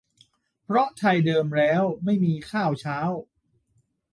เพราะไทยเดิมแล้วไม่มีข้าวเช้า